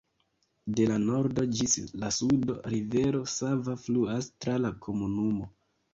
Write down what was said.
De la nordo ĝis la sudo, rivero Sava fluas tra la komunumo.